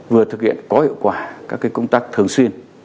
vừa thực hiện có hiệu quả các công tác thường xuyên